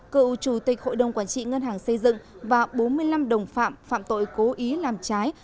cựu chủ tịch hội đồng quản trị ngân hàng xây dựng và bốn mươi năm đồng phạm phạm tội cố ý làm trái